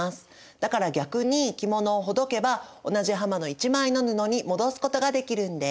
だから逆に着物をほどけば同じ幅の一枚の布に戻すことができるんです。